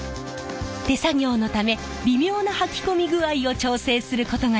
手作業のため微妙なはき込み具合を調整することができるんです。